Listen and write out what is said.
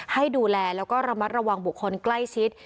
ให้ดูแลแล้วก็ระมัดระวังบุคคลใกล้ชิด